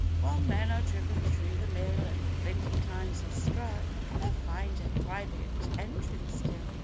While men are driven through the mill, an' flinty times is struck, They'll find a private entrance still!